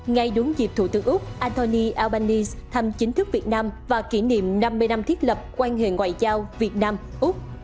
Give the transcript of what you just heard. ngay đúng dịp thủ tướng úc anthony albanese thăm chính thức việt nam và kỷ niệm năm mươi năm thiết lập quan hệ ngoại giao việt nam úc